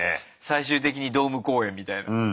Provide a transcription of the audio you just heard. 最終的にドーム公演みたいな。